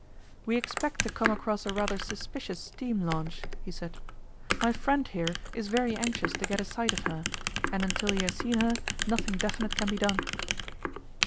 'We expect to come across a rather suspicious steam launch,' he said. 'My friend here is very anxious to get a sight of her, and until he has seen her nothing definite can be done.